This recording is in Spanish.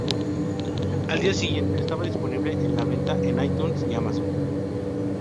Al día siguiente, estaba disponible a la venta en iTunes y Amazon.